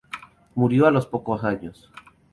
Murió a los pocos años.